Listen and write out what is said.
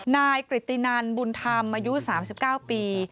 นายกริตินันบุญธรรมอายุ๓๙ปี